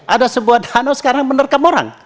ada sebuah danau sekarang menerkam orang